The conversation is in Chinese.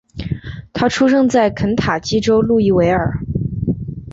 他出生在肯塔基州路易维尔。